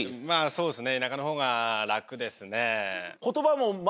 そうっすね。